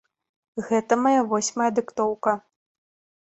Гэта мая восьмая дыктоўка.